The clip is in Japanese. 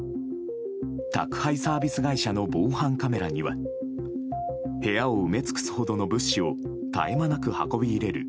宅配サービス会社の防犯カメラには部屋を埋め尽くすほどの物資を絶え間なく運び入れる